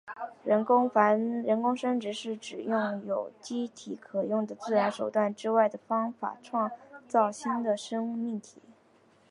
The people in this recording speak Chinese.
人工生殖是指用有机体可用的自然手段之外的方法创造新的生命体。